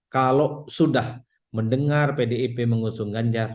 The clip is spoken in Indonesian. kalau sudah mendengar pdip mengusung ganjar